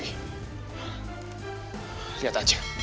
nih lu liat